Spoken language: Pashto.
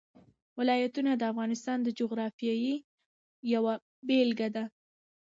ولایتونه د افغانستان د جغرافیې یوه بېلګه ده.